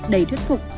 đầy thuyết phục